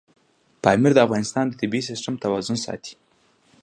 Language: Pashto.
پامیر د افغانستان د طبعي سیسټم توازن ساتي.